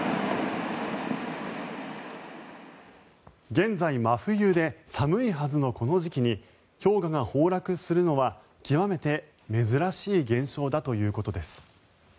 現在、真冬で寒いはずのこの時期に氷河が崩落するのは極めて珍しい現象だということです。